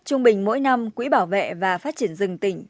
trung bình mỗi năm quỹ bảo vệ và phát triển rừng tỉnh